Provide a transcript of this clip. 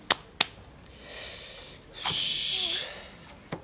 よし！